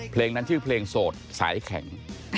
เพลงนั้นชื่อเพลงโสดสายแข็ง